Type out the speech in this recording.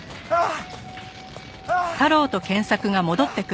ああ。